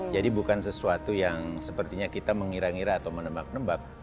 jadi bukan sesuatu yang sepertinya kita mengira ngira atau menebak nebak